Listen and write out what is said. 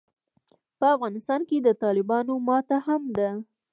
په افغانستان کې د طالبانو ماته هم ده.